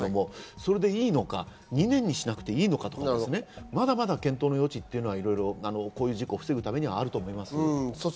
それでいいのか、２年にしなくていいのかとか検討の余地がこういう事故を防ぐためにはあると思います。